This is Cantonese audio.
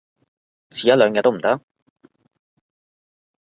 遲一兩日都唔得？